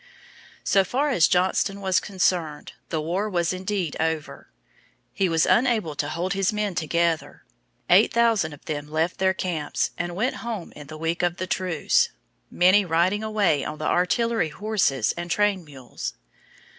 So far as Johnston was concerned, the war was indeed over. He was unable longer to hold his men together. Eight thousand of them left their camps and went home in the week of the truce, many riding away on the artillery horses and train mules.